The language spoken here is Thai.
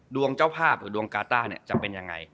เจ้าภาพหรือดวงกาต้าเนี่ยจะเป็นยังไง